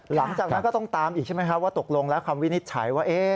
หลังจากนั้นก็ต้องตามอีกใช่ไหมครับว่าตกลงแล้วคำวินิจฉัยว่า